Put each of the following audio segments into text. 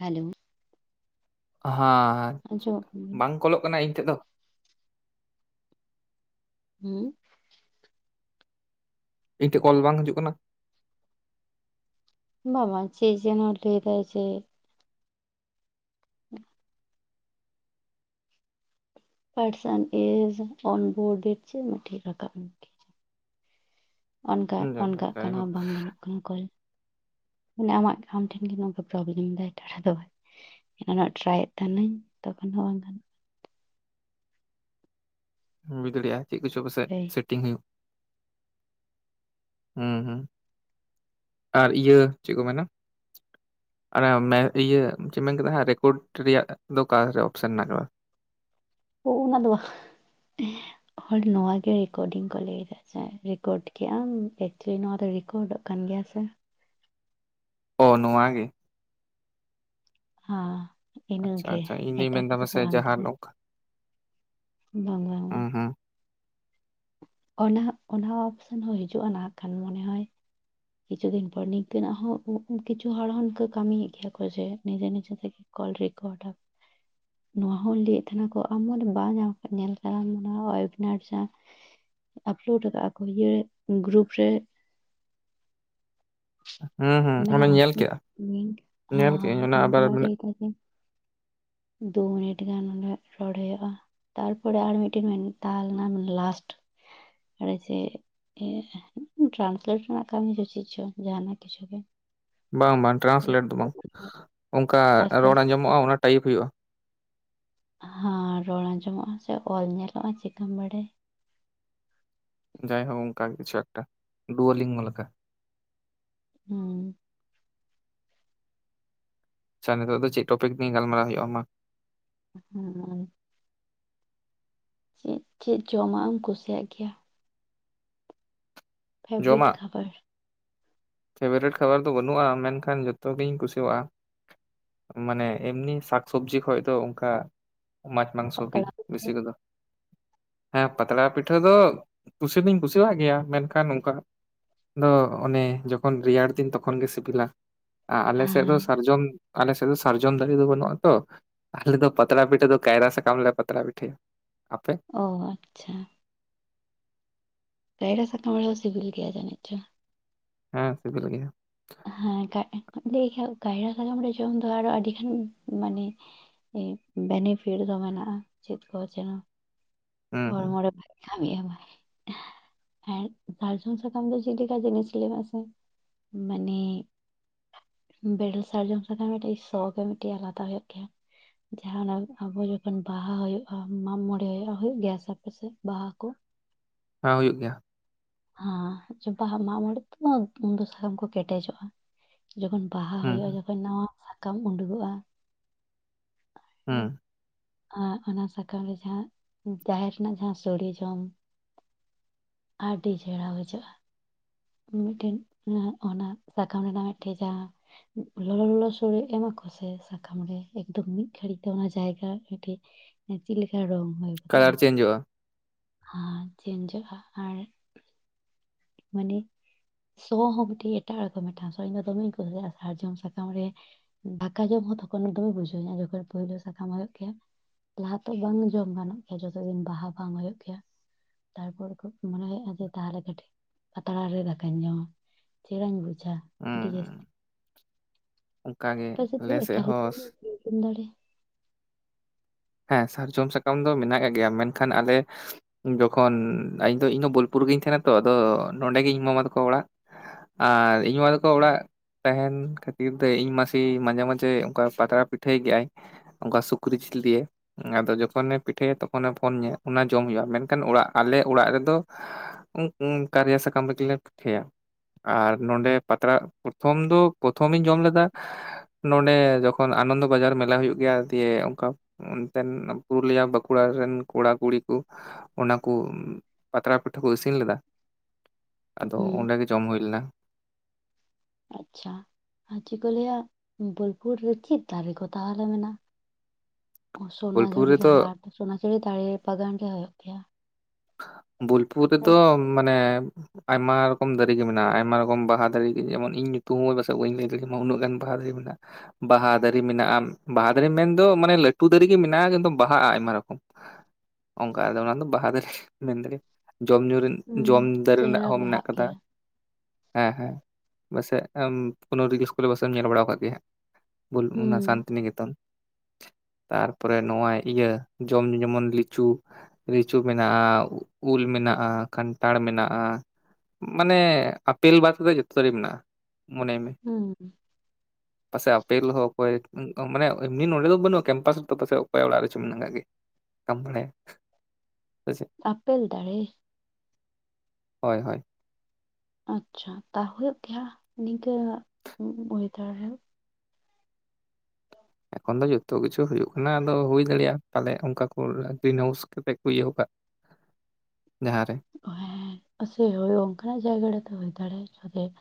Hello ᱦᱮᱸ ᱟᱸᱡᱚᱢᱚᱜ ᱠᱟᱱᱟ ᱵᱟᱝ ᱠᱚᱞᱚᱜ ᱠᱟᱱᱟ ᱤᱧ ᱴᱷᱮᱱ ᱫᱚ [inaudible] ᱤᱧ ᱴᱷᱮᱱ ᱠᱚᱞ ᱵᱟᱝ ᱦᱤᱡᱩᱜ ᱠᱟᱱᱟ ᱵᱟᱵᱟ ᱪᱮᱫ ᱡᱮᱱᱳ ᱞᱟᱹᱭ ᱫᱟ ᱡᱮ ᱨᱟᱠᱟᱵ ᱚᱱᱠᱟ ᱚᱱᱠᱟᱜ ᱠᱟᱱᱟ ᱡᱟᱭᱦᱳᱠ ᱵᱟᱝ ᱜᱟᱱᱚᱜ ᱠᱟᱱᱟ ᱠᱚᱞ [inaudible] ᱢᱟᱱᱮ ᱟᱢᱟᱜ ᱟᱢ ᱴᱷᱮᱱ ᱜᱮ ᱱᱚᱝᱠᱟ ᱯᱨᱚᱵᱞᱮᱢ ᱫᱟᱭ ᱴᱟ ᱫᱚ ᱮᱱᱟ ᱴᱨᱟᱭᱮᱫ ᱛᱟᱦᱮᱱᱟᱹᱧ ᱛᱚᱠᱷᱚᱱ ᱵᱟᱝ ᱜᱟᱱᱚᱜᱼᱟ ᱵᱩᱡᱽ ᱫᱟᱲᱮᱭᱟᱜᱼᱟ ᱪᱮᱫ ᱠᱚᱪᱚ ᱯᱟᱥᱮᱡ ᱦᱳᱭ ᱥᱮᱴᱤᱝ ᱦᱩᱭᱩᱜ ᱦᱮᱸ ᱦᱩᱸ ᱟᱨ ᱤᱭᱟᱹ ᱪᱮᱫ ᱠᱚ ᱢᱮᱱᱟ ᱟᱨ ᱤᱭᱟᱹ ᱪᱮᱫ ᱢᱮᱱ ᱠᱮᱫᱟ ᱨᱮᱠᱚᱨᱰ ᱨᱮᱭᱟᱜ ᱫᱚ ᱚᱠᱟᱨᱮ ᱚᱯᱥᱮᱱ ᱢᱮᱱᱟᱜᱼᱟ [inaudible] ᱚᱱᱟ ᱫᱚ ᱵᱟᱝ [inaudible] ᱦᱚᱲ ᱱᱚᱣᱟ ᱜᱮ ᱨᱮᱠᱳᱰᱤᱝ ᱠᱚ ᱞᱟᱹᱭᱟ ᱡᱮ ᱨᱮᱠᱚᱨᱰ ᱠᱮᱫᱼᱟ ᱮᱠᱪᱩᱭᱮᱞᱤ ᱱᱚᱣᱟ ᱫᱚ ᱨᱮᱠᱚᱨᱰᱚᱜ ᱠᱟᱱ ᱜᱮ ᱜᱮᱭᱟ ᱥᱮ ᱚ ᱱᱚᱣᱟ ᱜᱮ ᱦᱸ ᱟᱪᱪᱷᱟ ᱤᱱᱟᱹᱜᱮ ᱟᱪᱪᱷᱟ ᱤᱧ ᱫᱩᱧ ᱮᱴᱟᱜ ᱢᱮᱱᱫᱟ ᱠᱟᱛᱷᱟ ᱫᱚ ᱯᱟᱥᱮᱡ ᱵᱟᱝ ᱡᱟᱦᱟᱸ ᱠᱟᱱᱟ ᱱᱚᱝᱠᱟ ᱵᱟᱝ ᱵᱟᱝ ᱦᱩᱸ ᱵᱟᱝ ᱦᱩᱸ ᱚᱱᱟ ᱚᱱᱟ ᱚᱯᱷᱥᱮᱱ ᱦᱚᱸ ᱦᱤᱡᱩᱜᱼᱟ ᱱᱟᱦᱟᱜ ᱠᱷᱟᱱ ᱢᱚᱱᱮ ᱦᱚᱭ ᱠᱤᱪᱷᱩ ᱫᱤᱱ ᱯᱚᱨ ᱱᱤᱝᱠᱟᱹᱱᱟᱜ ᱦᱚᱸ ᱠᱤᱪᱷᱩ ᱦᱚᱲ ᱦᱚᱸ ᱱᱤᱝᱠᱟᱹ ᱠᱟᱹᱢᱤᱭᱮᱫ ᱜᱮᱭᱟ ᱠᱚ ᱡᱮ ᱱᱤᱡᱮ ᱱᱤᱡᱮ ᱛᱮᱜᱮ ᱚᱞ ᱨᱤᱠᱚᱰᱟᱨ ᱱᱚᱣᱟ ᱦᱚᱸᱧ ᱞᱟᱹᱭᱮᱫ ᱛᱟᱦᱮᱱᱟ ᱠᱚ ᱟᱢ ᱢᱮ ᱵᱟ ᱧᱟᱢ ᱧᱮᱞ ᱠᱟ ᱚᱱᱟ ᱚᱭᱱᱟᱡᱟ᱾ ᱟᱯᱞᱳᱰ ᱟᱠᱟᱫᱟ ᱠᱚ ᱤᱭᱟᱹ ᱜᱨᱩᱯ ᱨᱮ ᱻ [inaudible] ᱦᱮᱸ ᱦᱩᱸ ᱢᱮᱱᱟᱜ ᱚᱱᱟᱧ ᱧᱮᱞ ᱟᱥᱮ ᱠᱮᱜᱼᱟ᱾ ᱞᱤᱝᱠ ᱟᱸ ᱧᱮᱞ ᱠᱮᱜᱟᱹᱧ ᱚᱱᱟ ᱫᱚ ᱟᱵᱟᱨ ᱵᱟᱭ ᱢᱟᱱᱮ ᱞᱟᱹᱭ ᱫᱟ ᱡᱮ ᱻ [inaudible] ᱫᱩ ᱢᱤᱱᱤᱴ ᱜᱟᱱ ᱚᱸᱰᱮ ᱨᱚᱲᱚᱭᱚᱜᱼᱟ᱾ ᱛᱟᱨᱯᱚᱨᱮ ᱟᱨ ᱢᱤᱫᱴᱤᱱ ᱢᱮᱛᱟ ᱞᱮᱱᱟ ᱞᱟᱥᱴ ᱟᱨ ᱪᱮᱫ ᱴᱨᱟᱱᱥᱞᱮᱴ ᱨᱮᱱᱟᱜ ᱠᱟᱹᱢᱤ ᱪᱮᱫ ᱪᱚ ᱡᱟᱦᱱᱟᱜ ᱠᱤᱪᱷᱩ ᱜᱮ ᱵᱟᱝ ᱵᱟᱝ ᱛᱚ ᱴᱨᱟᱱᱥᱞᱮᱴ ᱫᱚ ᱵᱟᱝ ᱟᱥᱛᱮ ᱚᱱᱠᱟ ᱟᱥᱛᱮ ᱨᱚᱲ ᱟᱸᱡᱚᱢᱚᱜᱼᱟ᱾ ᱚᱱᱟ ᱴᱟᱭᱤᱯ ᱦᱩᱭᱩᱜᱼᱟ᱾ ᱦᱚᱸ ᱨᱚᱲ ᱟᱸᱡᱚᱢᱚᱜᱼᱟ ᱥᱮ ᱚᱞ ᱧᱮᱞᱚᱜᱼᱟ ᱪᱤᱟᱹᱢ ᱵᱟᱰᱟᱭ ᱡᱟᱭᱦᱳᱠ ᱚᱱᱠᱟ ᱠᱤᱪᱷᱩ ᱮᱠ ᱢᱟ ᱰᱩᱣᱟ ᱞᱤᱝ ᱢᱩ ᱞᱮ ᱞᱮᱠᱟᱷᱟ ᱦᱩᱸ ᱟᱪᱪᱷᱟ ᱱᱤᱛᱚᱜ ᱫᱚ ᱪᱮᱫ ᱴᱚᱯᱤᱠ ᱱ ᱜᱟᱞᱢᱟᱨᱟᱣ ᱦᱩᱭᱩᱜ ᱟ ᱢᱟ? ᱦᱮᱸ ᱪᱮᱫ ᱪᱮᱫ ᱡᱚᱢᱟᱜ ᱮᱢ ᱠᱩᱥᱤᱭᱟᱜ ᱜᱮᱭᱟ? ᱯᱷᱮᱵᱨᱤᱴ ᱠᱷᱟᱵᱟᱨ? ᱯᱷᱮᱵᱟᱨᱤᱴ ᱠᱷᱟᱵᱟᱨ ᱫᱚ ᱵᱟᱹᱱᱩᱜᱼᱟ᱾ ᱢᱮᱱᱠᱷᱟᱱ ᱡᱚᱛᱚ ᱜᱤᱧ ᱠᱩᱥᱤᱭᱟᱜᱼᱟ᱾ ᱢᱟᱱᱮ ᱮᱢᱱᱤ ᱥᱟᱠᱥᱚᱵᱡᱤ ᱠᱷᱚᱡ ᱫᱚ ᱚᱱᱠᱟ ᱢᱟᱡᱽ ᱢᱟᱝᱥᱚ ᱜᱮ ᱯᱟᱛᱲᱟ ᱵᱮᱥᱤ ᱯᱤᱴᱷᱟᱹ ᱠᱚᱫᱚ ᱦᱮᱸ ᱯᱟᱛᱲᱟ ᱯᱤᱴᱷᱟᱹ ᱫᱚ ᱠᱩᱥᱤ ᱫᱩᱧ ᱠᱩᱥᱤᱭᱟᱜ ᱜᱮᱭᱟ ᱢᱮᱱᱠᱷᱟᱱ ᱚᱱᱠᱟᱱᱟᱜ᱾ ᱫᱚ ᱚᱱᱮ ᱡᱚᱠᱷᱚᱱ ᱨᱮᱭᱟᱲ ᱛᱤᱧ ᱛᱚᱠᱷᱚᱱ ᱜᱮ ᱥᱤᱵᱤᱞᱟ ᱟᱨ ᱟᱞᱮ ᱥᱮᱫ ᱫᱚ ᱦᱮᱸ ᱥᱟᱨᱡᱚᱢ ᱟᱞᱮ ᱥᱮᱫ ᱫᱚ ᱥᱟᱨᱡᱚᱢ ᱫᱟᱨᱮ ᱫᱚ ᱵᱟᱹᱱᱩᱜᱼᱟ᱾ ᱛᱚ ᱟᱞᱮ ᱫᱚ ᱯᱟᱛᱲᱟ ᱯᱤᱴᱷᱟᱹ ᱫᱚ ᱠᱟᱭᱨᱟ ᱥᱟᱠᱟᱢ ᱞᱮ ᱯᱟᱛᱲᱟ ᱯᱤᱴᱷᱟᱹᱭᱟ᱾ ᱟᱯᱮ ᱚ ᱟᱪᱪᱷᱟ ᱠᱟᱭᱨᱟ ᱥᱟᱠᱟᱢ ᱦᱚᱸ ᱥᱤᱵᱤᱞ ᱜᱮᱭᱟ ᱡᱟᱹᱱᱤᱡ ᱪᱚ? ᱦᱮᱸ ᱥᱮᱵᱤᱞ ᱜᱮᱭᱟ᱾ ᱦᱮᱸ ᱞᱟᱹᱭ ᱠᱟᱭᱨᱟ ᱥᱟᱠᱟᱢ ᱨᱮ ᱡᱚᱢ ᱫᱚ ᱟᱨᱚ ᱟᱹᱰᱤᱜᱟᱱ ᱢᱟᱱᱮ ᱵᱮᱱᱤᱯᱷᱤᱴ ᱫᱚ ᱢᱮᱱᱟᱜᱼᱟ᱾ ᱪᱮᱫ ᱠᱚ ᱢᱮᱱᱟᱜ ᱦᱩᱸ ᱦᱩᱸ ᱦᱚᱲᱢᱚ ᱨᱮ ᱵᱷᱟᱜᱮ ᱠᱷᱟᱢᱵᱟᱭ ᱟᱨᱸ ᱥᱟᱨᱡᱚᱢ ᱥᱟᱠᱟᱢ ᱫᱚ ᱪᱮᱫ ᱞᱮᱠᱟ ᱡᱤᱱᱤᱥ ᱞᱟᱜᱟᱜ ᱟ᱾ ᱢᱟᱱᱮ ᱵᱮᱨᱮᱞ ᱥᱟᱨᱡᱚᱢ ᱥᱟᱠᱟᱢ ᱢᱤᱫᱴᱤᱡ ᱥᱚ ᱢᱤᱫᱴᱮᱱ ᱟᱞᱟᱫᱟ ᱦᱩᱭᱩᱜ ᱜᱮᱭᱟ᱾ ᱡᱟᱦᱟᱱᱟᱜ ᱟᱵᱚ ᱡᱚᱠᱷᱚᱱ ᱵᱟᱦᱟ ᱦᱩᱭᱩᱜᱼᱟ᱾ ᱢᱟᱜ ᱢᱚᱬᱮ ᱦᱩᱭᱩᱜᱼᱟ ᱜᱮᱭᱟ ᱥᱮ ᱟᱯᱮ ᱥᱮᱫ ᱵᱟᱦᱟ ᱠᱚ ᱦᱮᱸ ᱦᱩᱭᱩᱜ ᱜᱮᱭᱟ᱾ ᱦᱮᱸ ᱵᱟᱦᱟ ᱢᱟᱜᱢᱚᱬᱮ ᱛᱮᱫᱚ ᱥᱟᱠᱟᱢ ᱠᱚ ᱠᱮᱴᱮᱡᱚᱜᱼᱟ᱾ ᱡᱚᱠᱷᱚᱱ ᱵᱟᱦᱟ ᱦᱩᱸ ᱦᱩᱭᱩᱜᱼᱟ᱾ ᱦᱩᱸ ᱡᱚᱠᱷᱚᱱ ᱱᱟᱣᱟ ᱥᱟᱠᱟᱢ ᱩᱰᱩᱠᱚᱜᱼᱟ᱾ ᱦᱮᱸ ᱟᱨ ᱚᱱᱟ ᱥᱟᱠᱟᱢ ᱨᱮ ᱡᱟᱦᱟᱸ ᱡᱟᱦᱮᱨ ᱨᱮᱱᱟᱜ ᱡᱟᱦᱟᱸ ᱥᱳᱚᱲᱮ ᱡᱚᱢ ᱟᱹᱰᱤ ᱪᱮᱲᱟ ᱵᱩᱡᱷᱟᱹᱜᱼᱟ᱾ ᱢᱤᱫᱴᱮᱱ ᱚᱱᱟ ᱥᱟᱠᱟᱢ ᱨᱮᱱᱟᱜ ᱢᱤᱫᱴᱮᱱ ᱡᱟᱦᱟᱸ ᱞᱚᱞᱚ ᱞᱚᱞᱚ ᱥᱚᱲᱮ ᱮᱢ ᱚᱱᱟ ᱠᱚᱥᱮ ᱥᱟᱠᱟᱢ ᱨᱮ ᱮᱠᱫᱚᱢ ᱢᱤᱫ ᱜᱷᱟᱹᱲᱤᱡ ᱛᱮ ᱚᱱᱟ ᱡᱟᱭᱜᱟ ᱢᱤᱫᱴᱮᱡ ᱪᱮᱫ ᱞᱮᱠᱟ ᱨᱚᱝ ᱠᱟᱞᱟᱨ ᱪᱮᱧᱡᱚᱜᱼᱟ᱾ ᱦᱮᱸ ᱪᱷᱮᱱᱡᱚᱜᱼᱟ ᱟᱨ ᱻ [inaudible] ᱢᱟᱱᱮ ᱥᱚ ᱦᱚᱸ ᱢᱤᱫᱴᱤᱡ ᱮᱴᱟᱜ ᱨᱚᱠᱚᱢ ᱢᱤᱫᱴᱟᱝ ᱥᱚ ᱤᱧ ᱫᱚᱢᱮᱧ ᱠᱩᱥᱤᱭᱟᱜᱼᱟ᱾ ᱥᱟᱨᱡᱚᱢ ᱥᱟᱠᱟᱢ ᱨᱮ ᱫᱟᱠᱟ ᱡᱚᱢ ᱛᱚᱠᱷᱚᱱ ᱫᱚᱢᱮ ᱵᱩᱡᱷᱟᱹᱣᱟ ᱡᱚᱠᱷᱚᱱ ᱯᱳᱭᱞᱳ ᱥᱟᱠᱟᱢ ᱦᱩᱭᱩᱜ ᱜᱮᱭᱟ᱾ ᱞᱟᱦᱟ ᱛᱚ ᱵᱟᱝ ᱡᱚᱢ ᱜᱟᱱᱚᱜ ᱜᱮᱭᱟ᱾ ᱾ᱡᱚᱛᱚ ᱫᱤᱱ ᱵᱟᱦᱟ ᱵᱟᱝ ᱦᱩᱭᱩᱜ ᱜᱮᱭᱟ ᱛᱟᱨᱯᱚᱨ ᱠᱷᱚ ᱢᱚᱱᱮ ᱦᱩᱭᱩᱜᱼᱟ ᱡᱮ ᱛᱟᱦᱚᱞᱮ ᱠᱟᱹᱴᱤᱡ ᱯᱟᱛᱲᱟ ᱨᱮ ᱫᱟᱠᱟᱧ ᱡᱚᱢᱟ ᱪᱮᱦᱨᱟᱧ ᱵᱩᱡᱣᱟ ᱟᱪᱪᱷᱟ ᱟᱹᱰᱤ ᱡᱟᱹᱥᱛᱤ ᱦᱩᱸ ᱚᱱᱠᱟᱜᱮ ᱯᱟᱥᱮ ᱟᱞᱮ ᱥᱮᱫ ᱦᱚᱸ ᱦᱮᱸ ᱥᱟᱨᱡᱚᱢ ᱥᱟᱠᱟᱢ ᱫᱚ ᱢᱮᱱᱟᱜ ᱟᱠᱟᱫ ᱜᱮᱭᱟ ᱢᱮᱱᱠᱷᱟᱱ ᱟᱞᱮ ᱡᱚᱠᱷᱚᱱ ᱤᱧ ᱤᱧ ᱵᱳᱞᱯᱩᱨ ᱩᱨᱜᱤᱧ ᱛᱟᱦᱮᱱᱟ ᱛᱚ ᱟᱫᱚ ᱱᱚᱸᱰᱮ ᱜᱮ ᱤᱧ ᱢᱟᱢᱟ ᱛᱟᱠᱚ ᱚᱲᱟᱜ ᱟᱨ ᱤᱧ ᱢᱟᱢᱟ ᱛᱟᱠᱚ ᱚᱲᱟᱜ ᱛᱟᱦᱮᱱ ᱠᱷᱟᱹᱛᱤᱨ ᱛᱮ ᱤᱧ ᱢᱟᱥᱮ ᱢᱟᱡᱷᱮ ᱢᱟᱡᱷᱮ ᱚᱱᱠᱟ ᱯᱟᱛᱲᱟ ᱯᱤᱴᱷᱟᱹᱭ ᱜᱮᱭᱟᱭ ᱚᱱᱠᱟ ᱥᱩᱠᱨᱤ ᱡᱤᱞ ᱫᱤᱭᱮ ᱟᱫᱚ ᱡᱚᱠᱷᱚᱱᱮ ᱯᱤᱴᱷᱟᱹᱭᱟ ᱛᱚᱠᱷᱚᱱᱮ ᱯᱷᱳᱱ ᱤᱧᱟᱹ ᱚᱱᱟ ᱡᱚᱢ ᱦᱩᱭᱩᱜᱼᱟ ᱢᱮᱱᱠᱷᱟᱱ ᱟᱞᱮ ᱚᱲᱟᱜ ᱨᱮᱫᱚ ᱠᱟᱨᱭᱟ ᱥᱟᱠᱟᱢ ᱯᱤᱴᱷᱟᱹᱭᱟ ᱟᱨ ᱱᱚᱰᱮ ᱯᱟᱛᱲᱟᱜ ᱫᱚ ᱯᱨᱚᱛᱷᱚᱢᱤᱧ ᱡᱚᱢ ᱞᱮᱫᱟ ᱱᱚᱰᱮ ᱡᱚᱠᱷᱚᱱ ᱟᱱᱚᱱᱫᱚ ᱵᱟᱡᱟᱨ ᱢᱮᱞᱟ ᱦᱳᱭᱳᱜ ᱜᱮᱭᱟ ᱫᱤᱭᱮ ᱚᱱᱠᱟ ᱚᱱᱛᱮᱱ ᱯᱩᱨᱩᱞᱤᱭᱟ ᱵᱟᱸᱠᱩᱲᱟ ᱨᱮᱱ ᱠᱚᱲᱟᱠᱩᱲᱤ ᱠᱚ ᱚᱱᱟᱠᱩ ᱯᱟᱛᱲᱟ ᱯᱤᱴᱷᱟᱹ ᱠᱚ ᱤᱥᱤᱱ ᱞᱮᱫᱟ ᱟᱫᱚ ᱦᱩᱸ ᱚᱸᱰᱮᱜ ᱜᱮ ᱡᱚᱢ ᱦᱩᱭ ᱞᱮᱱᱟ ᱟᱪᱪᱷᱟ ᱟᱨ ᱪᱮᱫ ᱠᱚ ᱞᱟᱹᱭᱟ ᱵᱳᱞᱯᱩᱨ ᱨᱮ ᱪᱮᱫ ᱫᱟᱨᱮ ᱠᱚ ᱛᱟᱦᱚᱞᱮ ᱢᱮᱱᱟᱜ [inaudible] ᱵᱳᱞᱯᱩᱨ ᱥᱚᱱᱟᱡᱷᱩᱨᱤ ᱨᱮᱫᱚ ᱦᱟᱴ ᱥᱚᱱᱟᱡᱷᱩᱨᱤ ᱫᱟᱨᱮ ᱵᱟᱜᱟᱱ ᱜᱮ ᱦᱩᱭᱩᱜ ᱜᱮᱭᱟ ᱵᱳᱞᱯᱩᱨ ᱨᱮᱫᱚ ᱟᱨ ᱢᱟᱱᱮ ᱟᱭᱢᱟ ᱨᱚᱠᱚᱢ ᱫᱟᱨᱮᱜᱮ ᱢᱮᱱᱟᱜᱼᱟ ᱟᱭᱢᱟ ᱨᱚᱠᱚᱢ ᱵᱟᱦᱟ ᱫᱟᱨᱮ ᱡᱮᱢᱚᱱ ᱤᱧ ᱧᱩᱛᱩᱢ ᱦᱚᱸ ᱯᱟᱹᱥᱮᱡ ᱵᱟᱹᱧ ᱞᱟᱹᱭ ᱫᱟᱲᱮ ᱢᱟ ᱩᱱᱟᱹᱜ ᱜᱟᱱ ᱵᱟᱦᱟ ᱢᱮᱱᱟᱜᱼᱟ ᱵᱟᱦᱟ ᱫᱟᱨᱮ ᱢᱮᱱᱟᱜᱼᱟ ᱵᱟᱦᱟ ᱫᱟᱨᱮ ᱢᱮᱱᱫᱚ ᱢᱟᱱᱮ ᱞᱟᱹᱴᱩ ᱫᱟᱨᱮ ᱜᱮ ᱢᱮᱱᱟᱜᱼᱟ ᱠᱤᱱᱛᱩ ᱵᱟᱦᱟ ᱟᱭᱢᱟ ᱚᱱᱠᱟ ᱚᱱᱟ ᱫᱚ ᱵᱟᱦᱟ ᱫᱟᱨᱮ ᱢᱮᱱ ᱫᱟᱲᱮ ᱡᱚᱢ ᱧᱩ ᱦᱩᱸ ᱡᱚᱢ ᱫᱟᱨᱮ ᱨᱮᱱᱟᱜ ᱪᱮᱦᱨᱟ ᱦᱚᱸ ᱢᱮᱱᱟᱜ ᱵᱟᱦᱟᱜ ᱟᱠᱟᱫᱟ ᱜᱮᱭᱟ ᱦᱮᱸ ᱦᱮᱸ ᱯᱟᱥᱮᱡ ᱠᱳᱱᱳ ᱨᱮᱜᱤ ᱤᱥᱠᱩᱞ ᱯᱟᱥᱮᱡ ᱧᱮᱞ ᱵᱟᱲᱟ ᱟᱠᱟᱫ ᱜᱮ ᱚᱱᱟ ᱦᱩᱸ ᱥᱟᱱᱛᱤᱱᱤᱠᱮᱛᱚᱱ [inaudible] [inaudible] ᱛᱟᱨᱯᱚᱨᱮ ᱱᱚᱜᱼᱚᱭ ᱤᱭᱟᱹ ᱡᱚᱢ ᱧᱩ ᱡᱮᱢᱚᱱ ᱞᱤᱪᱩ ᱞᱤᱪᱩ ᱢᱮᱱᱟᱜᱼᱟ ᱩᱞ ᱢᱮᱱᱟᱜᱼᱟ ᱠᱟᱱᱴᱷᱟᱲ ᱢᱮᱱᱟᱜᱼᱟ ᱢᱟᱱᱮ ᱟᱯᱮᱞ ᱵᱟᱫ ᱠᱟᱛᱮ ᱫᱚ ᱡᱚᱛᱚ ᱜᱮ ᱢᱮᱱᱟᱜᱼᱟ ᱢᱚᱱᱮ ᱢᱮ ᱦᱩᱸ ᱯᱟᱥᱮ ᱟᱯᱮᱞ ᱦᱚ ᱦᱳᱭ ᱢᱟᱱᱮ ᱮᱢᱱᱤ ᱱᱚᱸᱰᱮ ᱫᱚ ᱵᱟᱹᱱᱩᱜᱼᱟ ᱠᱮᱢᱯᱟᱥ ᱨᱮ ᱯᱟᱥᱮ ᱚᱠᱚᱭ ᱚᱲᱟᱜ ᱨᱮᱪᱚ ᱢᱮᱱᱟᱜ ᱠᱟᱜ ᱜᱮ [inaudible] ᱵᱮᱞ ᱫᱟᱲᱮ ᱦᱳᱭ ᱦᱳᱭ ᱟᱪᱪᱷᱟ ᱛᱟᱣ ᱦᱩᱭᱩᱜ ᱜᱮᱭᱟ ᱱᱤᱝᱠᱟᱹ ᱚᱭᱮᱫᱟᱨ ᱨᱮ ᱮᱠᱷᱚᱱ ᱫᱚ ᱡᱚᱛᱚ ᱠᱤᱪᱷᱩ ᱦᱩᱭᱩᱜ ᱠᱟᱱᱟ ᱟᱫᱚ ᱦᱩᱭ ᱫᱟᱲᱮᱭᱟᱜᱼᱟ ᱯᱟᱞᱮ ᱚᱱᱠᱟ ᱠᱚ ᱜᱨᱤᱱ ᱦᱟᱣᱩᱥ ᱠᱟᱛᱮ ᱠᱚ ᱤᱭᱟᱹ ᱠᱟᱜ [inaudible] [inaudible] ᱦᱮᱸ ᱥᱮᱭ ᱚᱱᱠᱟᱱᱟᱜ ᱡᱟᱭᱜᱟ ᱨᱮᱛᱚ ᱦᱩᱭ ᱫᱟᱲᱮᱭᱟᱜ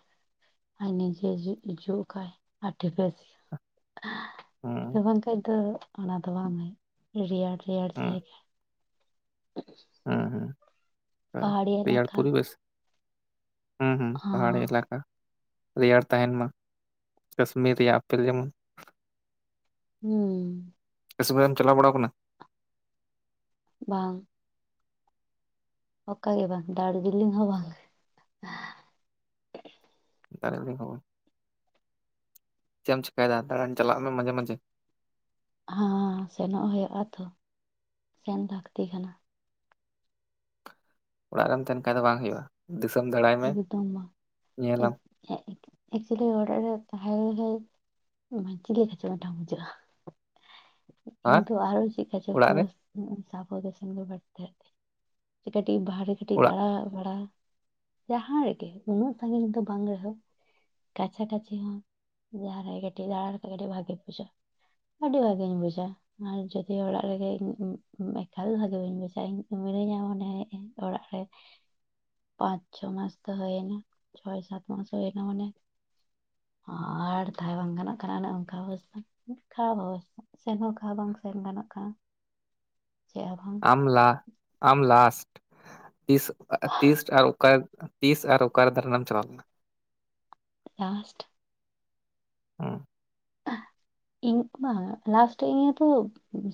ᱟᱡ ᱱᱤᱡᱮ ᱡᱩᱜ ᱠᱷᱟᱱ ᱟᱹᱰᱤ ᱵᱮᱥ ᱜᱮ ᱦᱩᱸ ᱵᱟᱝᱠᱷᱟᱡ ᱫᱚ ᱚᱱᱟ ᱫᱚ ᱵᱟᱝ ᱨᱮᱭᱟᱲ ᱨᱮᱭᱟᱲ ᱡᱟᱭᱜᱟ ᱦᱮᱸ ᱦᱮᱸ ᱟᱨ ᱯᱟᱦᱟᱲᱤ ᱨᱮᱭᱟᱨ ᱮᱞᱟᱠᱟ ᱯᱚᱨᱤᱵᱮᱥ ᱦᱩᱸ ᱦᱩᱸ ᱯᱟᱦᱟᱲᱤ ᱦᱚᱸ ᱮᱞᱟᱠᱟ ᱨᱮᱭᱟᱲ ᱛᱟᱦᱮᱱ ᱢᱟ ᱠᱟᱥᱢᱤᱨ ᱨᱮᱭᱟᱜ ᱟᱯᱮᱞ ᱡᱮᱢᱚᱱ ᱦᱮᱸ ᱪᱟᱞᱟᱣ ᱵᱟᱲᱟ ᱟᱠᱟᱱᱟ ᱵᱟᱝ ᱚᱠᱟ ᱜᱮ ᱵᱟᱝ ᱫᱟᱨᱡᱤᱞᱤᱝ ᱦᱚᱸ ᱵᱟᱝ ᱫᱟᱨᱤ ᱠᱷᱚᱵᱚᱨ ᱪᱮᱫ ᱮᱢ ᱪᱤᱭᱟᱹ ᱫᱟᱢ ᱫᱟᱬᱟᱱ ᱪᱟᱞᱟᱜ ᱢᱮ ᱢᱟᱡᱷᱮ ᱢᱟᱡᱷᱮ ᱦᱮᱸ ᱥᱮᱱᱚᱜ ᱦᱩᱭᱩᱜ ᱟ ᱛᱚ ᱥᱮᱱ ᱞᱟᱹᱠᱛᱤ ᱠᱟᱱᱟ ᱚᱲᱟᱜ ᱨᱮᱢ ᱛᱟᱦᱮᱱ ᱠᱷᱟᱡ ᱫᱚ ᱵᱟᱝ ᱦᱩᱭᱩᱜᱼᱟ ᱫᱤᱥᱚᱢ ᱫᱟᱬᱟᱭ ᱢᱮ ᱮᱠᱫᱚᱢ ᱵᱟᱝ ᱧᱮᱞᱟᱢ ᱚᱠᱪᱩᱞᱤ ᱚᱲᱟᱜ ᱨᱮ ᱛᱟᱦᱮᱸ ᱢᱚᱡᱽ ᱜᱮ ᱜᱟᱪᱴᱷᱟ ᱵᱩᱡᱷᱟᱹᱜᱼᱟ ᱤᱧ ᱟᱨ ᱫᱚ ᱟᱨᱚ ᱪᱮᱠᱟ ᱪᱚ ᱚᱲᱟᱜ ᱨᱮ [inaudible] ᱠᱟᱹᱴᱤᱡ ᱵᱟᱦᱨᱮ ᱠᱟᱹᱴᱤᱡ ᱚᱲᱟᱜ ᱫᱟᱸᱬᱟ ᱵᱟᱲᱟ ᱡᱟᱦᱟᱸ ᱨᱮᱜᱮ ᱩᱱᱟᱹᱜ ᱥᱟᱺᱜᱤᱧ ᱫᱚ ᱵᱟᱝ ᱨᱮᱦᱚᱸ ᱠᱟᱪᱷᱟ ᱠᱟᱪᱷᱤ ᱦᱚᱸ ᱡᱟᱦᱟᱨᱮ ᱠᱟᱹᱴᱤᱡ ᱫᱟᱸᱬᱟ ᱠᱟᱛᱮ ᱠᱟᱹᱴᱤᱡ ᱵᱷᱟᱜᱮ ᱵᱩᱡᱷᱟᱹᱜ -ᱟ᱾ ᱟᱹᱰᱤ ᱵᱷᱟᱹᱜᱤᱧ ᱵᱩᱡᱟ ᱟᱨ ᱡᱩᱫᱤ ᱚᱲᱟᱜ ᱨᱮᱜᱮ ᱮᱠᱟᱞ ᱵᱷᱟᱹᱜᱤ ᱵᱟᱹᱧ ᱵᱩᱡᱟ ᱤᱧ ᱤᱧ ᱟᱜ ᱦᱚ ᱚᱱᱮ ᱚᱲᱟᱜ ᱨᱮ [inaudible] ᱪᱷᱚ ᱢᱟᱥ ᱛᱚ ᱦᱳᱭ ᱮᱱᱟ ᱪᱷᱚᱭ ᱥᱟᱛ ᱢᱟᱥ ᱦᱳᱭ ᱮᱱᱟ ᱢᱟᱱᱮ ᱟᱨ ᱛᱟᱹᱦᱮ ᱵᱟᱝ ᱜᱟᱱᱚᱜ ᱠᱟᱱᱟ ᱚᱱᱮ ᱚᱱᱠᱟ [inaudible] ᱥᱮᱱ ᱜᱟᱱᱚᱜ ᱠᱷᱟᱱ [inaudible] ᱟᱢᱞᱟ ᱟᱢᱞᱟᱥ ᱛᱤᱥ ᱟᱨ ᱚᱠᱟ ᱨᱮ ᱫᱟᱨᱟᱱ ᱮᱢ ᱪᱟᱞᱟᱣ ᱞᱮᱱᱟ ᱞᱟᱥᱴ ᱦᱩᱸ ᱤᱧ ᱵᱟᱝ ᱞᱟᱥᱴ ᱤᱭᱟᱹ ᱛᱚ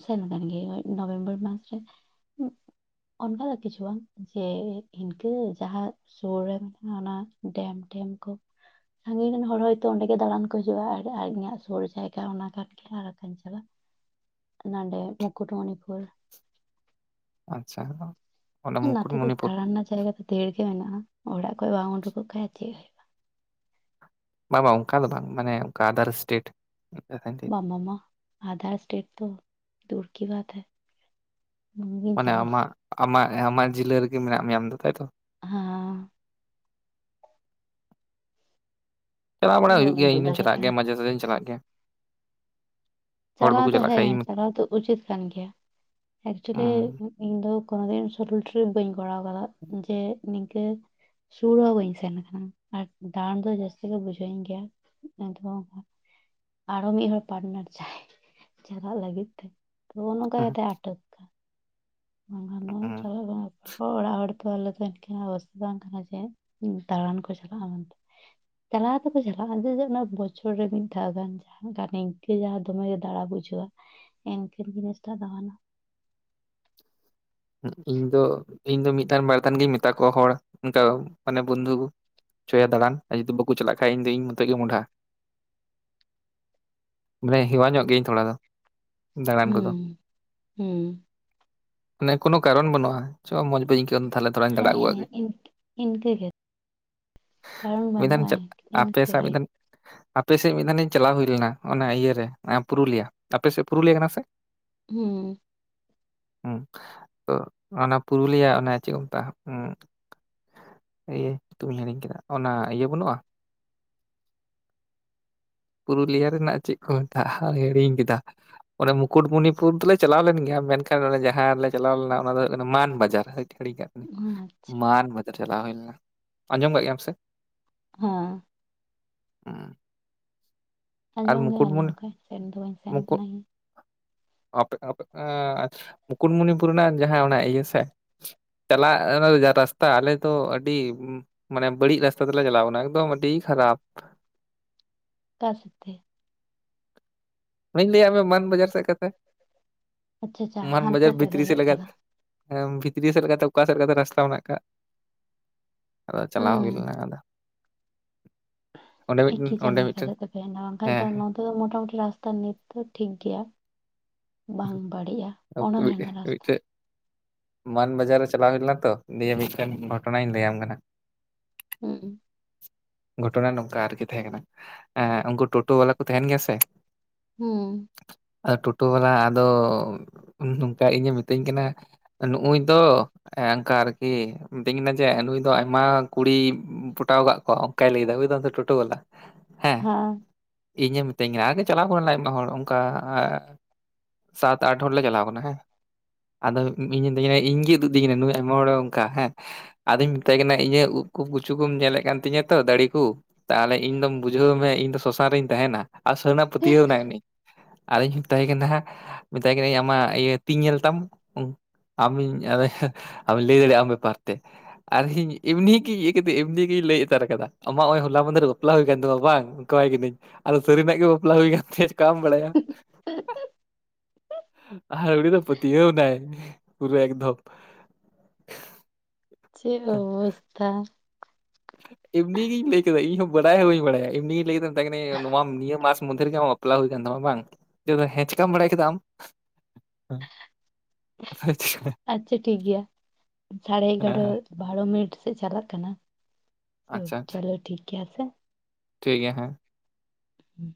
ᱥᱮᱱ ᱟᱠᱟᱱ ᱜᱮ ᱱᱚᱵᱷᱮᱢᱵᱚᱨ ᱢᱟᱥ ᱨᱮ ᱩᱸ, [inaudible] ᱚᱱᱠᱟ ᱫᱚ ᱠᱤᱸᱪᱷᱩ ᱵᱟᱝ ᱡᱮ ᱤᱱᱠᱟᱹ ᱡᱟᱦᱟᱸ ᱥᱩᱨ ᱨᱮ ᱢᱮᱱᱟᱜᱼᱟ ᱚᱱᱟ ᱰᱮᱢ ᱥᱟᱺᱜᱤᱧ ᱨᱮᱱ ᱦᱚᱲ ᱦᱚᱭᱛᱚ ᱚᱸᱰᱮ ᱜᱮ ᱫᱟᱬᱟᱱ ᱠᱚ ᱦᱤᱡᱩᱜᱼᱟ ᱟᱨ ᱟᱨ ᱤᱧᱟᱹᱜ ᱥᱩᱨ ᱡᱟᱭᱜᱟ ᱚᱱᱟ ᱠᱴ ᱜᱮ ᱟᱠᱟᱧ ᱪᱟᱞᱟᱜᱼᱟ ᱱᱟᱹᱰᱮ ᱢᱩᱠᱩᱴ ᱢᱚᱱᱤᱯᱩᱨ ᱟᱪᱪᱷᱟ ᱚᱱᱟ ᱱᱟᱛᱮ ᱫᱚ ᱢᱩᱠᱩᱴᱢᱩᱱᱤᱯᱩᱨ ᱫᱟᱸᱬᱟᱱ ᱨᱮᱱᱟᱜ ᱡᱟᱭᱹᱜᱟ ᱫᱚ ᱫᱷᱮᱨ ᱜᱮ ᱢᱮᱱᱟᱜᱼᱟ ᱚᱲᱟᱜ ᱠᱷᱚᱡ ᱵᱟᱢ ᱩᱰᱩᱠᱚᱜ ᱠᱷᱟᱱ ᱪᱮᱫ ᱦᱳᱭᱳᱜ -ᱟ᱾ ᱵᱟᱝ ᱚᱱᱠᱟ ᱫᱚ ᱵᱟᱝ ᱢᱟᱱᱮ ᱚᱱᱠᱟ ᱟᱫᱟᱨ ᱥᱴᱮᱴ ᱢᱟᱢ ᱢᱟᱢᱟ ᱟᱫᱷᱟᱨ ᱥᱴᱮᱴ ᱛᱚ ᱛᱚᱨᱠᱤ ᱵᱟᱫ ᱦᱮ ᱵᱟᱝᱜᱤᱧ ᱢᱟᱱᱮ ᱪᱟᱞᱟᱣ ᱟᱢᱟᱜ ᱟᱢᱟᱜ ᱟᱢᱟᱜ ᱡᱤᱞᱟᱹ ᱨᱮᱜᱮ ᱢᱮᱱᱟᱜ ᱢᱮᱭᱟ ᱟᱢ ᱫᱚ ᱛᱟᱭᱛᱚ ᱦᱟᱸ ᱪᱟᱞᱟᱣ ᱵᱟᱲᱟ ᱦᱩᱭᱩᱜ ᱵᱟᱹᱧ ᱜᱮᱭᱟ ᱩᱰᱩᱠ ᱤᱧ ᱫᱚᱧ ᱫᱟᱲᱮ ᱪᱟᱞᱟᱜ ᱠᱟᱣᱫᱟ ᱜᱮᱭᱟ ᱢᱟᱡᱷᱮ ᱥᱟᱡᱷᱮ ᱪᱟᱞᱟᱜ ᱜᱮᱭᱟ ᱦᱚᱲ ᱪᱟᱸᱞᱟᱣ ᱵᱟᱠᱚ ᱫᱚ ᱪᱟᱞᱟᱜ ᱦᱮᱸ ᱠᱷᱟᱡ ᱤᱧ ᱪᱟᱸᱞᱟᱣ ᱫᱚ ᱩᱪᱤᱛ ᱠᱟᱱ ᱜᱮᱭᱟ ᱮᱠᱡᱚᱞᱤ ᱤᱧ ᱫᱚ ᱠᱳᱱᱳ ᱫᱤᱱ ᱥᱚᱨᱚᱞ ᱴᱨᱤᱯ ᱵᱟᱹᱧ ᱠᱚᱨᱟᱣ ᱟᱠᱟᱫᱟ ᱡᱮ [unintelligible] ᱥᱩᱨ ᱦᱚᱸ ᱵᱟᱹᱧ ᱥᱮᱱ ᱠᱟᱱᱟ ᱟᱨ ᱫᱟᱬᱟᱱ ᱫᱚ ᱡᱟᱹᱥᱛᱤ ᱜᱮ ᱵᱩᱡᱷᱟᱹᱣᱤᱧ ᱜᱮᱭᱟ ᱟᱨᱚ ᱢᱤᱫ ᱦᱚᱲ ᱯᱟᱴᱱᱟᱨ ᱪᱟᱭ ᱪᱟᱞᱟᱜ ᱞᱟᱹᱜᱤᱫ ᱛᱮ ᱱᱚᱜ ᱱᱚᱝᱠᱟ ᱠᱟᱛᱮ ᱟᱴᱚᱠ [unintelligible] ᱟᱞᱮ ᱫᱚ [inaudible] ᱚᱵᱚᱹᱥᱛᱷᱟ ᱫᱚ ᱵᱟᱝ ᱠᱟᱱᱟ ᱡᱮ ᱫᱟᱬᱟᱱ ᱠᱚ ᱪᱟᱞᱟᱜᱼᱟ ᱢᱮᱱᱛᱮ ᱪᱟᱞᱹᱟᱣ ᱫᱚᱠᱚ ᱪᱟᱞᱟᱜᱼ ᱟ [inaudible] ᱵᱚᱪᱷᱚᱨ ᱨᱮ ᱢᱤᱫ ᱫᱷᱟᱣ ᱜᱟᱱ ᱱᱤᱱᱠᱟᱹ ᱡᱟᱦᱟᱸ ᱫᱚᱢᱮ ᱫᱟᱬᱟ ᱵᱩᱡᱷᱟᱹᱣ [inaudible] [unintelligible] ᱤᱧ ᱫᱚ ᱤᱧ ᱫᱚ ᱢᱤᱫᱷᱟᱱ ᱵᱟᱨ ᱫᱷᱟᱱ ᱜᱤᱧ ᱢᱮᱛᱟ ᱠᱚᱣᱟ ᱦᱚᱲ ᱚᱱᱠᱟ ᱢᱟᱱᱮ ᱵᱚᱱᱫᱷᱩ ᱪᱚ ᱭᱟ ᱫᱟᱹᱬᱟᱱ ᱟᱨ ᱡᱩᱫᱤ ᱵᱟᱠᱚ ᱪᱟᱞᱟᱜ ᱠᱷᱟᱱ ᱤᱧ ᱫᱚ ᱤᱧ ᱢᱚᱛᱮᱡ ᱜᱮ ᱢᱚᱦᱸᱟᱰᱟ ᱢᱟᱱᱮ ᱦᱮᱣᱟ ᱧᱚᱜ ᱜᱤᱭᱟᱹᱧ ᱛᱷᱚᱲᱟ ᱫᱚ ᱫᱟᱬᱟᱱ ᱠᱚᱫᱚ ᱦᱩᱸ ᱦᱩᱸ ᱢᱟᱱᱮ ᱠᱚᱱᱳ ᱠᱟᱨᱚᱱ ᱵᱟᱹᱱᱩᱜᱼᱟ ᱪᱚ ᱢᱚᱡᱽ ᱵᱟᱹ ᱟᱹᱭᱠᱟᱹᱣ ᱛᱟᱞᱦᱮ ᱛᱷᱚᱹᱲᱟᱧ ᱫᱟᱸᱬᱟ ᱟᱜᱩ ᱟᱜ ᱦᱮᱸ ᱜᱮ ᱤᱱ- ᱤᱱᱠᱟᱹ ᱜᱮ ᱠᱟᱨᱚᱱ ᱢᱤᱫᱫᱟᱱ ᱵᱟᱹᱱᱩᱜᱼᱟ ᱪᱮᱫ ᱟᱯᱮ ᱥᱟᱶ ᱤᱱᱠᱟᱹᱜᱮ ᱢᱤᱫᱫᱟᱱ ᱟᱯᱮ ᱥᱮᱫ ᱢᱤᱫ ᱫᱷᱟᱱ ᱤᱧ ᱪᱟᱞᱟᱣ ᱦᱩᱭ ᱞᱮᱱᱟ ᱚᱱᱟ ᱤᱭᱟᱹᱨᱮ ᱯᱩᱨᱩᱞᱤᱭᱟᱹᱟᱯᱮ ᱥᱮᱫ ᱯᱩᱨᱩᱞᱤᱭᱟᱹ ᱠᱟᱱᱟ ᱥᱮ ᱦᱩᱸ ᱦᱩᱸᱚᱱᱟ ᱯᱩᱨᱩᱞᱤᱭᱟᱹ ᱪᱮᱫ ᱠᱚ ᱢᱮᱛᱟᱜ [inaudible] ᱧᱩᱛᱩᱢ ᱤᱧ ᱦᱤᱲᱤᱧ ᱠᱮᱫᱟ ᱚᱱᱟ ᱤᱭᱟᱹ ᱵᱟᱹᱱᱩᱜᱼᱟ ᱯᱩᱨᱩᱞᱤᱭᱟᱹ ᱨᱮᱱᱹᱟᱜ ᱪᱮᱫ ᱠᱚ ᱢᱮᱛᱟᱜᱼᱟ ᱦᱤᱲᱤᱧ ᱠᱮᱫᱟ ᱚᱱᱮ ᱢᱩᱠᱩᱴᱢᱩᱱᱤᱯᱩᱨ ᱫᱚᱞᱮ ᱪᱟᱞᱟᱣ ᱞᱮᱱ ᱜᱮᱭᱟ ᱢᱮᱱᱠᱷᱟᱱ ᱱᱚᱸᱰᱮ ᱡᱟᱦᱟᱸ ᱨᱮ ᱞᱮ ᱪᱟᱞᱟᱣ ᱞᱮᱱᱟ ᱚᱱᱟ ᱫᱚ ᱦᱩᱭᱩᱜ ᱠᱟᱱᱟ ᱢᱟᱱ ᱵᱟᱡᱟᱨ ᱜᱷᱟᱹᱲᱤ ᱠᱟᱜ ᱟᱪᱪᱷᱟ ᱢᱟᱱ ᱵᱟᱡᱟᱨ ᱪᱟᱞᱟᱣ ᱦᱩᱭ ᱞᱮᱱᱟ ᱟᱸᱡᱚᱢ ᱠᱟᱜ ᱜᱮᱭᱟᱢ ᱥᱮ ᱦᱚᱸ ᱦᱢᱸ ᱟᱸᱡᱚᱢ ᱜᱮᱭ ᱟᱸᱡᱚᱢ ᱠᱟᱹᱡ ᱥᱮᱱ ᱫᱚ ᱵᱟᱹᱧ ᱥᱮᱱ ᱢᱩᱠᱩᱴ ᱠᱟᱹᱱᱟᱹᱧ ᱟᱯᱮ ᱟᱯᱮ ᱟᱟ ᱟᱪᱪᱷ ᱢᱩᱠᱩᱴᱢᱚᱱᱤᱯᱩᱨ ᱨᱮᱱᱟᱜ ᱡᱟᱦᱟᱸ ᱚᱱᱟ ᱤᱭᱟᱹ ᱥᱮ ᱪᱟᱞᱟᱜ ᱚᱱᱟ ᱨᱟᱥᱛᱟ ᱟᱞᱮ ᱫᱚ ᱟᱹᱰᱤ ᱢᱟᱱᱮ ᱵᱟᱹᱲᱤᱡ ᱨᱟᱥᱛᱟ ᱛᱮᱞᱮ ᱪᱟᱞᱟᱣᱱᱟ ᱮᱠᱫᱚᱢ ᱟᱹᱰᱤ ᱠᱷᱟᱨᱟ ᱠᱷᱯ ᱠᱟ ᱥᱟᱛᱮ ᱚᱱᱟᱧ ᱞᱟᱹᱭᱟᱫ ᱢᱮᱭᱟ ᱢᱟᱱ ᱵᱟᱡᱟᱨ ᱥᱮᱫ ᱠᱟᱛᱷᱟ ᱟᱪᱪᱷᱟ ᱟᱪᱪᱷᱟ ᱢᱟᱱ ᱦᱟᱱᱛᱮ ᱵᱟᱡᱟᱨ ᱛᱮᱯᱮ ᱵᱷᱤᱛᱨᱤ ᱥᱮᱫ ᱦᱮᱡ ᱞᱟᱜᱟᱫ ᱠᱟᱱᱟ ᱵᱷᱤᱛᱨᱤ ᱥᱮᱫ ᱞᱮᱠᱟᱛᱮ ᱚᱠᱟ ᱥᱮᱫ ᱞᱮᱠᱟᱛᱮ ᱨᱟᱥᱛᱟ ᱢᱮᱱᱟᱜ ᱠᱟᱜ ᱟᱫᱚ ᱪᱟᱞᱟᱣ ᱦᱩᱭ ᱞᱮᱱᱟ ᱟᱫᱚ ᱚᱸᱰᱮ ᱢᱤᱫᱴᱮᱱ ᱮᱠᱤ ᱚᱸᱰᱮ ᱡᱟᱱᱤᱠᱟ ᱢᱤᱫᱴᱮᱱ ᱟᱠᱟᱫ ᱛᱟᱯᱮᱭᱟ ᱱᱚᱣᱟ ᱵᱟᱝᱠᱷᱟᱱ ᱦᱮᱸ ᱫᱚ ᱦᱮᱸ ᱱᱚᱣᱟ ᱫᱚ ᱢᱚᱴᱟᱢᱩᱴᱤ ᱨᱟᱥᱛᱟ ᱨᱟᱥᱛᱟ ᱱᱤᱛ ᱫᱚ ᱴᱷᱤᱠ ᱜᱮᱭᱟ ᱵᱟᱝ ᱵᱟᱹᱲᱤᱡᱼᱟ ᱚᱱᱟ ᱛᱟᱦᱮᱱᱟ ᱨᱟᱥᱛᱟ ᱢᱤᱫᱴᱮᱱ ᱢᱟᱱ ᱵᱟᱡᱟᱨ ᱨᱮ ᱪᱟᱞᱟᱣ ᱦᱩᱭ ᱞᱮᱱᱟ ᱛᱚ ᱫᱤᱭᱟᱹ ᱢᱤᱫᱴᱮᱱ ᱜᱷᱚᱴᱚᱱᱟᱧ ᱞᱟᱹᱭᱟᱢ ᱠᱟᱱᱟ ᱦᱢᱸ ᱜᱷᱚᱴᱚᱱᱟ ᱱᱚᱝᱠᱟ ᱟᱨᱠᱤ ᱛᱟᱦᱮᱸ ᱠᱟᱱᱟ ᱮ ᱩᱱᱠᱩ ᱴᱳᱴᱳ ᱵᱟᱞᱟ ᱠᱚ ᱛᱟᱦᱮᱱ ᱜᱮᱭᱟ ᱥᱮ ᱦᱢᱸ ᱟᱫᱚ ᱴᱳᱴᱳ ᱵᱟᱞᱟ ᱟᱫᱚ ᱱᱚᱝᱠᱟ ᱤᱧᱮ ᱢᱤᱛᱟᱹᱧ ᱠᱟᱱᱟ ᱱᱩᱜᱩᱭᱩᱭ ᱫᱚ ᱚᱱᱠᱟ ᱟᱨᱠᱤ ᱢᱤᱛᱟᱹᱧ ᱠᱟᱱᱟ ᱡᱮ ᱱᱩᱭ ᱫᱚ ᱟᱭᱢᱟ ᱠᱩᱲᱤ ᱯᱚᱴᱟᱣ ᱠᱟᱜ ᱠᱚᱣᱟ ᱚᱱᱠᱟᱭ ᱞᱟᱹᱭ ᱮᱫᱟᱭ ᱵᱩᱡ ᱮᱫᱟᱢ ᱛᱚ ᱴᱳᱴᱳ ᱵᱟᱞᱟ ᱦᱮᱸ ᱦᱢᱸ ᱤᱧᱮ ᱢᱤᱛᱟᱹᱧ ᱠᱟᱱᱟ ᱟᱜᱮ ᱪᱟᱞᱟᱣ ᱦᱩᱭ ᱞᱮᱱ ᱢᱮ ᱦᱚᱲ ᱚᱱᱠᱟ ᱥᱟᱛ ᱟᱴ ᱦᱚᱲ ᱞᱮ ᱪᱟᱞᱟᱣ ᱠᱟᱱᱟ ᱦᱮᱸ ᱟᱫᱚ ᱤᱧ ᱢᱤᱛᱟᱭ ᱠᱟᱱᱟ ᱤᱧ ᱜᱮᱭ ᱩᱫᱩᱜ ᱤᱫᱤᱧ ᱠᱟᱱᱟ ᱱᱩᱭ ᱟᱭᱢᱟ ᱦᱚᱲᱮ ᱚᱱᱠᱟ ᱦᱮᱸ ᱟᱫᱚᱧ ᱢᱮᱛᱟᱭ ᱠᱟᱱᱟ ᱤᱧᱟᱹᱜ ᱠᱷᱩᱵ ᱜᱩᱪᱷᱩ ᱠᱚᱢ ᱧᱮᱞᱮᱫ ᱠᱟᱱ ᱛᱤᱧᱟᱹ ᱛᱚ ᱫᱟᱲᱤᱠᱩ ᱛᱟᱦᱚᱞᱮ ᱤᱧ ᱫᱚᱢ ᱵᱩᱡᱷᱟᱹᱣ ᱢᱮ ᱤᱧ ᱫᱚ ᱥᱚᱥᱟᱱ ᱨᱤᱧ ᱛᱟᱦᱮᱱᱟ ᱟᱨ ᱥᱟᱨᱤ ᱱᱟᱜ ᱯᱟᱹᱛᱭᱟᱹᱣ ᱮᱱᱟᱭ ᱩᱱᱤ ᱟᱨ ᱤᱧ ᱢᱮᱛᱟᱭ ᱠᱟᱱᱟ ᱦᱟᱜ ᱢᱮᱛᱟᱭ ᱠᱟᱱᱟᱹᱧ ᱟᱢᱟᱜ ᱤᱭᱟᱹ ᱛᱤᱧ ᱧᱮᱞ ᱛᱟᱢ ᱟᱢᱤᱧ ᱟᱫᱚ ᱟᱢ ᱞᱟᱹᱭ ᱫᱟᱲᱮᱭᱟᱜ ᱟ ᱟᱢ ᱵᱮᱯᱟᱨ ᱛᱮ ᱟᱨᱦᱧ ᱮᱢᱱᱤ ᱜᱤ ᱤᱭᱟᱹ ᱮᱢᱱᱤ ᱜᱮᱤᱧ ᱞᱟᱹᱭᱮᱫ ᱟᱠᱟᱫᱟ ᱟᱢᱟᱜ ᱚᱭ ᱦᱚᱞᱟ ᱢᱟᱫᱷᱮᱨ ᱨᱮ ᱵᱟᱯᱞᱟ ᱦᱩᱭ ᱠᱟᱱ ᱛᱟᱢᱟ ᱵᱟᱝ ᱚᱱᱠᱟᱣᱟᱭ ᱠᱟᱹᱱᱟᱹᱧ ᱟᱫᱚ ᱥᱟᱹᱨᱤᱱᱟᱜ ᱜᱮ ᱵᱟᱯᱞᱟ ᱦᱩᱭ ᱟᱠᱟᱱᱟ ᱪᱮᱠᱟᱢ ᱵᱟᱲᱟᱭᱟ ᱟᱨ ᱦᱟᱜ ᱫᱚ ᱩᱱᱤ ᱫᱚᱭ ᱯᱟᱹᱛᱭᱟᱹᱣ ᱮᱱᱟᱭ ᱯᱩᱨᱟᱹ ᱮᱠᱫᱚᱢ ᱪᱮᱫ ᱚᱵᱚᱥᱛᱷᱟ ᱮᱢᱱᱤᱜᱤᱧ ᱞᱟᱹᱭ ᱠᱮᱫᱟ ᱤᱧ ᱦᱚᱸ ᱵᱟᱰᱟᱭ ᱦᱚᱸ ᱵᱟᱹᱧ ᱵᱟᱲᱟᱭᱟ ᱮᱢᱱᱤᱧ ᱞᱟᱹᱭ ᱠᱮᱫᱟ ᱢᱮᱛᱟᱭ ᱠᱟᱹᱱᱟᱹᱧ ᱱᱚᱣᱟ ᱱᱤᱭᱟᱹ ᱢᱟᱥ ᱢᱚᱫᱽᱫᱷᱮ ᱨᱮᱜᱮ ᱟᱢᱟᱜ ᱵᱟᱯᱞᱟ ᱦᱩᱭ ᱟᱠᱟᱱ ᱛᱟᱢᱟ ᱵᱟᱝ ᱞᱟᱹᱭ ᱮᱫᱟᱭ ᱦᱮᱸ ᱪᱤᱠᱟᱢ ᱵᱟᱲᱟᱭ ᱠᱮᱫᱟ ᱟᱢ ᱟ ᱟᱪᱪᱷᱟ ᱴᱷᱤᱠ ᱜᱮᱭᱟ ᱥᱟᱲᱮ ᱮᱜᱟᱨᱚ ᱵᱟᱨᱚ ᱢᱤᱱᱤᱴ ᱥᱮᱫ ᱪᱟᱞᱟᱜ ᱠᱟᱱᱟ ᱟᱪᱪᱷᱟ ᱪᱚᱞᱳ ᱴᱷᱤᱠ ᱜᱮᱭᱟ ᱟᱥᱮ ᱴᱷᱤᱠ ᱜᱮᱭᱟ ᱦᱮᱸ ᱦᱢᱸ